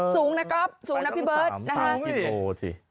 สูงนะก๊อฟสูงนะพี่เบิร์ต